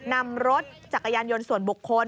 นำรถจักรยานยนต์ส่วนบุคคล